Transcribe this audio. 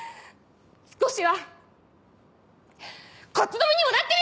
少しはこっちの身にもなってみろ！